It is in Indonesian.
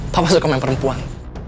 papa suka main perempuan